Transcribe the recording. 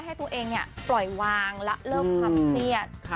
ให้ตัวเองปล่อยวางละเลิกความเครียด